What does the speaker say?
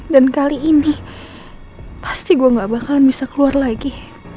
dan kali ini pasti gue nggak bakalan bisa keluar lagi